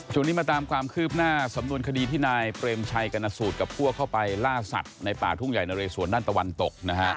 ช่วงนี้มาตามความคืบหน้าสำนวนคดีที่นายเปรมชัยกรณสูตรกับพวกเข้าไปล่าสัตว์ในป่าทุ่งใหญ่นะเรสวนด้านตะวันตกนะฮะ